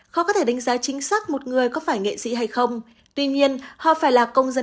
khó có thể đánh giá chính xác một người có phải nghệ sĩ hay không tuy nhiên họ phải là công dân